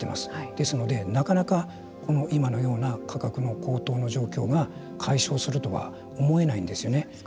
ですので、なかなか今のような価格の高騰の状況が解消するとは思えないんですよね。